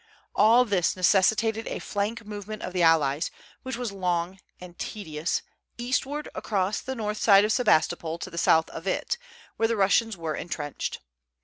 All this necessitated a flank movement of the allies, which was long and tedious, eastward, across the north side of Sebastopol to the south of it, where the Russians were intrenched.